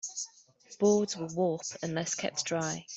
Boards will warp unless kept dry.